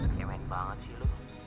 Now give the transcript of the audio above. kemen banget sih lu